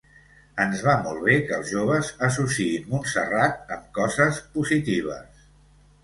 Ens va molt bé que els joves associïn Montserrat amb coses positives.